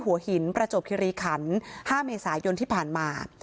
หัวหินประจวบคิริขัน๕เมษายนที่ผ่านมา